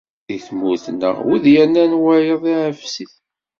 Deg tmurt-a, win yernan wayeḍ, iɛfes-it.